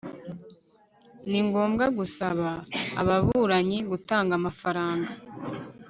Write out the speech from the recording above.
ni ngombwa gusaba ababuranyi gutanga amafaranga